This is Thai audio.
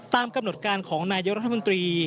ตามกำหนดการของนายกรัฐมนตรี